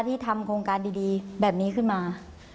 ที่ทำโครงการดีแบบนี้ขึ้นมา